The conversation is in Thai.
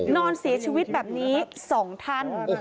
นอนเสียชีวิตแบบนี้๒ท่าน